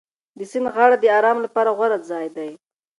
د سیند غاړه د ارام لپاره غوره ځای دی.